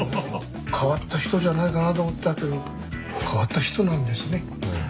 変わった人じゃないかなと思ってたけど変わった人なんですね。